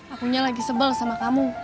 akunya lagi sebel sama kamu